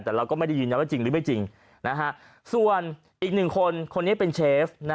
แต่เราก็ไม่ได้ยินนะว่าจริงหรือไม่จริงส่วนอีกหนึ่งคนคนนี้เป็นเชฟ